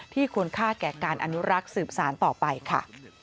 ควรค่าแก่การอนุรักษ์สืบสารต่อไปค่ะ